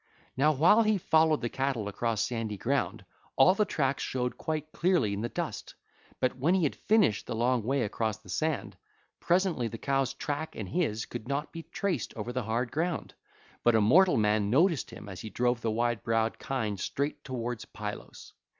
Now while he followed the cattle across sandy ground, all the tracks showed quite clearly in the dust; but when he had finished the long way across the sand, presently the cows' track and his own could not be traced over the hard ground. But a mortal man noticed him as he drove the wide browed kine straight towards Pylos.